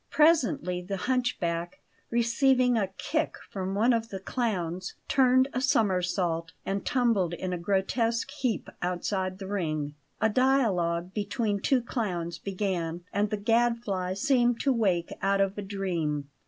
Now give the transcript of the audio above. Presently the hunchback, receiving a kick from one of the clowns, turned a somersault and tumbled in a grotesque heap outside the ring. A dialogue between two clowns began, and the Gadfly seemed to wake out of a dream.